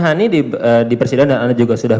hani di persidangan dan anda juga sudah